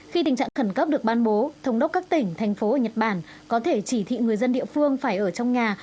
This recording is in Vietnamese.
khi tình trạng khẩn cấp được ban bố thống đốc các tỉnh thành phố ở nhật bản có thể chỉ thị người dân địa phương phải ở trong nhà